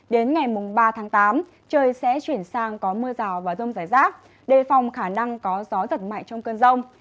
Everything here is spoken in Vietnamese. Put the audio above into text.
đến ngày ba tháng tám trời sẽ chuyển sang có mưa rào và rông rải rác đề phòng khả năng có gió giật mạnh trong cơn rông